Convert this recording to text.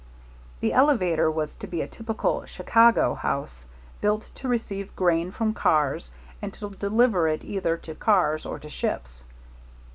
The elevator was to be a typical "Chicago" house, built to receive grain from cars and to deliver it either to cars or to ships.